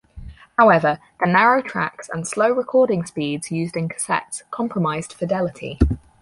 However, the narrow tracks and slow recording speeds used in cassettes compromised fidelity.